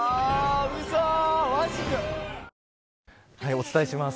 お伝えします。